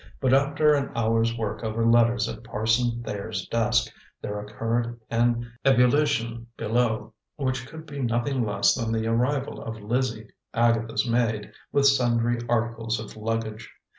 But after an hour's work over letters at Parson Thayer's desk, there occurred an ebullition below which could be nothing less than the arrival of Lizzie, Agatha's maid, with sundry articles of luggage.